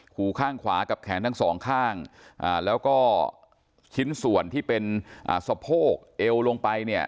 หูข้างขวากับแขนทั้งสองข้างแล้วก็ชิ้นส่วนที่เป็นสะโพกเอวลงไปเนี่ย